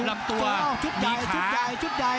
ลำตัวมีขา